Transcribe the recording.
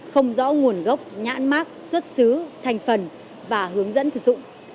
không rõ nguồn gốc nhãn mát xuất xứ thành phần và hướng dẫn thực dụng